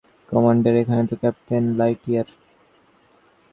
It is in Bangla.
কমান্ডার, এখানে তো ক্যাপ্টেন লাইটইয়ার।